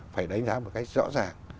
phải đánh giá một cách rõ ràng